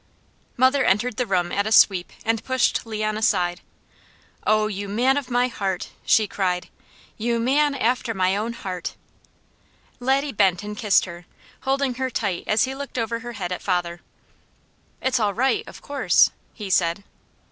Mother entered the room at a sweep, and pushed Leon aside. "Oh you man of my heart!" she cried. "You man after my own heart!" Laddie bent and kissed her, holding her tight as he looked over her head at father. "It's all right, of course?" he said.